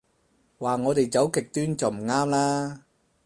話我哋走極端就唔啱啦